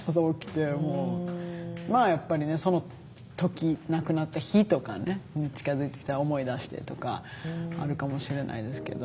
まあやっぱりねその時亡くなった日とか近づいてきたら思い出してとかあるかもしれないですけど。